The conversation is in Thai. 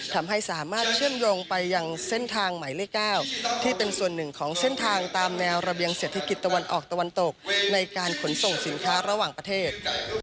ทำให้สามารถเชื่อมโยงไปยังเส้นทางหมายเลข๙ที่เป็นส่วนหนึ่งของเส้นทางตามแนวระเบียงเศรษฐกิจตะวันออกตะวันตกในการขนส่งสินค้าระหว่างประเทศ